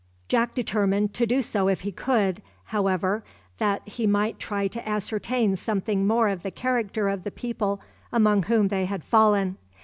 Jack determined to do so if he could, however, that he might try to ascertain something more of the character of the people among whom they had fallen.